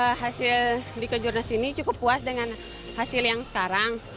hasil di kejurnas ini cukup puas dengan hasil yang sekarang